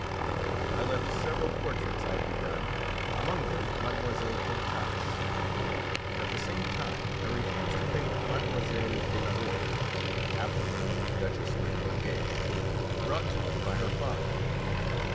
I left several portraits I had begun, among them Mlle. Contat's. At the same time I refused to paint Mlle. de Laborde (afterward Duchess de Noailles), brought to me by her father.